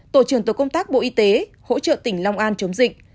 tổ trưởng tổ công tác bộ y tế hỗ trợ tỉnh long an chống dịch